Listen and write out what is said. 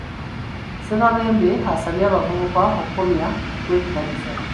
Ssekabembe asabye abavubuka okukomya okwekubagiza,